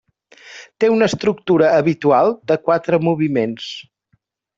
Té una estructura habitual de quatre moviments.